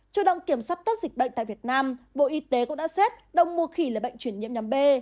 chủ động kiểm soát tốt dịch bệnh tại việt nam bộ y tế cũng đã xếp động mùa khỉ là bệnh chuyển nhiễm nhóm b